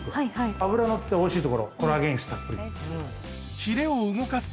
脂のってておいしい所コラーゲン質たっぷり。